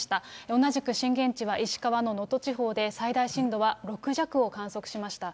同じく震源地は石川の能登地方で、最大震度は６弱を観測しました。